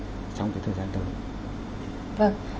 trong cái thời gian tới